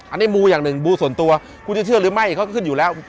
อันนี้มูอย่างหนึ่งมูส่วนตัวคุณจะเชื่อหรือไม่เขาก็ขึ้นอยู่แล้ว